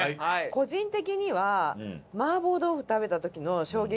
個人的には麻婆豆腐食べた時の衝撃がすごくて。